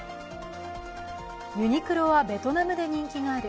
ユニクロはベトナムで人気がある。